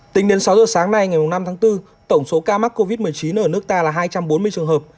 tính đến sáu giờ sáng nay ngày năm tháng bốn tổng số ca mắc covid một mươi chín ở nước ta là hai trăm bốn mươi trường hợp